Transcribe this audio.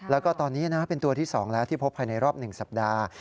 แล้วก็ตอนนี้นะเป็นตัวที่๒แล้วที่พบภายในรอบ๑สัปดาห์